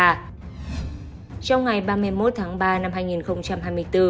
trong ngày ba mươi một tháng ba năm hai nghìn hai mươi bốn